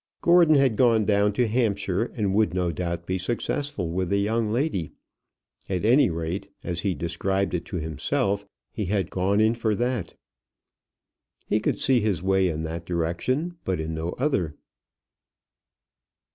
Gordon had gone down to Hampshire, and would no doubt be successful with the young lady. At any rate, as he described it to himself, he had "gone in for that." He could see his way in that direction, but in no other.